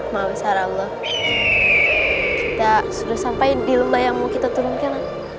maha besar allah kita sudah sampai di lembah yang mau kita turunkan